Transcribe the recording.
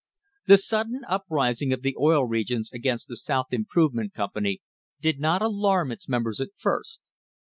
The sudden uprising of the Oil Regions against the South Improvement Company did not alarm its members at first.